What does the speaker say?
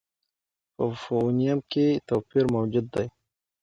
په فونېم کې توپیر موجود دی.